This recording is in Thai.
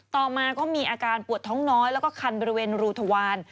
ต่อมาก็มีอาการปวดท้องน้อยแล้วก็คันบริเวณรูทวาร